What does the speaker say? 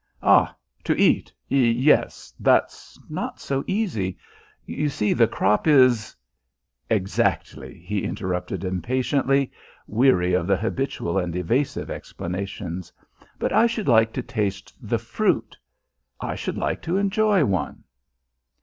"Ah, to eat, yes. That's not so easy. You see, the crop is " "Exactly," he interrupted impatiently, weary of the habitual and evasive explanations. "But I should like to taste the fruit. I should like to enjoy one."